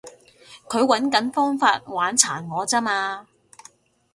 佢搵緊方法玩殘我咋嘛